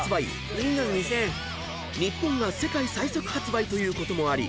［日本が世界最速発売ということもあり